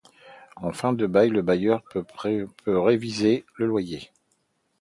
En fin de bail le bailleur peut réviser le loyer.